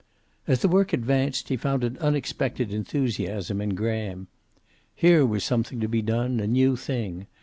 As the work advanced, he found an unexpected enthusiasm in Graham. Here was something to be done, a new thing.